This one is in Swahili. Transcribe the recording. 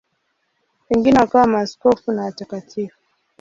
Wengine wakawa maaskofu na watakatifu.